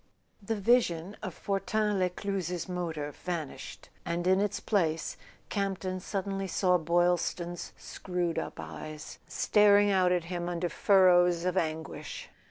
The vision of Fortin Lescluze's motor vanished, and in its place Campton suddenly saw Boylston's screwed up eyes staring out at him under furrows of anguish.